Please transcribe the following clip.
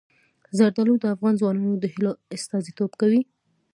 زردالو د افغان ځوانانو د هیلو استازیتوب کوي.